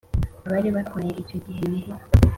abari abatware icyo gihe ngo